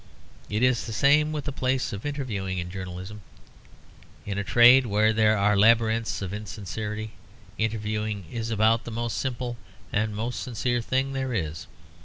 It is the same with the place of interviewing in journalism. In a trade where there are labyrinths of insincerity, interviewing is about the most simple and the most sincere thing there is.